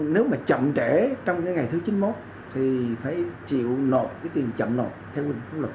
nếu mà chậm trễ trong cái ngày thứ chín mươi một thì phải chịu nộp cái tiền chậm nộp theo quy định pháp luật